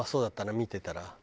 見てたら。